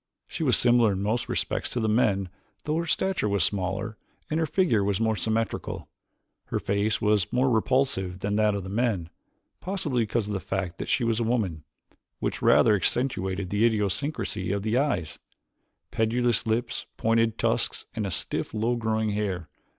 She was similar in most respects to the men though her stature was smaller and her figure more symmetrical. Her face was more repulsive than that of the men, possibly because of the fact that she was a woman, which rather accentuated the idiosyncrasies of eyes, pendulous lip, pointed tusks and stiff, low growing hair.